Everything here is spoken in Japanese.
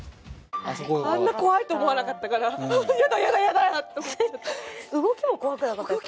あんな怖いと思わなかったからああやだやだやだって思った動きも怖くなかったですか？